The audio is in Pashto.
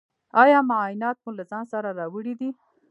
ایا معاینات مو له ځان سره راوړي دي؟